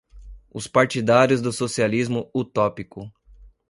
os partidários do socialismo utópico